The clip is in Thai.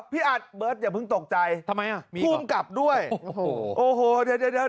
พี่อัฐเบิร์ตอย่าเพิ่งตกใจผู้กำกับด้วยโอ้โฮเดี๋ยว